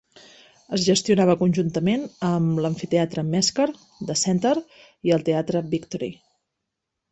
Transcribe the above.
Es gestionava conjuntament amb l'amfiteatre Mesker, The Centre i el teatre Victory.